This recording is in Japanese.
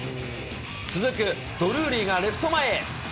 続くドルーリーがレフト前へ。